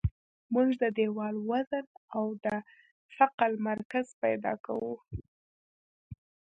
موږ د دیوال وزن او د ثقل مرکز پیدا کوو